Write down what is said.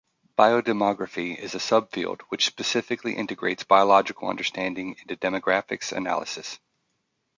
Biodemography is a subfield which specifically integrates biological understanding into demographics analysis.